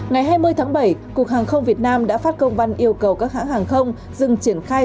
ngày hai mươi tháng bảy cục hàng không việt nam đã phát công văn yêu cầu các hãng hàng không dừng triển khai